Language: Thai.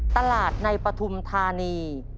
ตลาดในปฐุมธานี